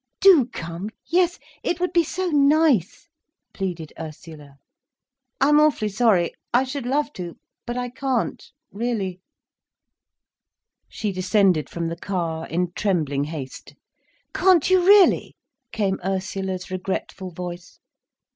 "Do come—yes, it would be so nice," pleaded Ursula. "I'm awfully sorry—I should love to—but I can't—really—" She descended from the car in trembling haste. "Can't you really!" came Ursula's regretful voice.